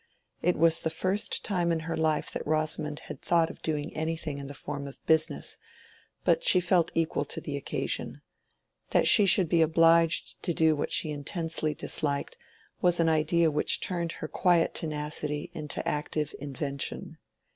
It was the first time in her life that Rosamond had thought of doing anything in the form of business, but she felt equal to the occasion. That she should be obliged to do what she intensely disliked, was an idea which turned her quiet tenacity into active invention.